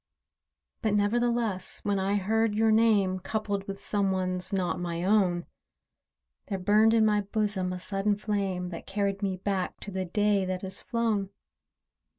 But, nevertheless, when I heard your name, Coupled with some one's, not my own, There burned in my bosom a sudden flame, That carried me back to the day that is flown.